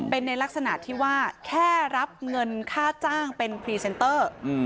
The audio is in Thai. เป็นในลักษณะที่ว่าแค่รับเงินค่าจ้างเป็นพรีเซนเตอร์